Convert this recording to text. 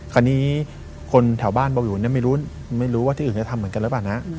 คราวนี้คนแถวบ้านเบาวิวไม่รู้ว่าที่อื่นจะทำเหมือนกันหรือเปล่านะ